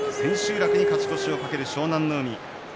楽に勝ち越しを懸ける湘南乃海。